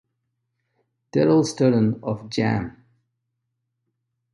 Darryl Sterdan of Jam!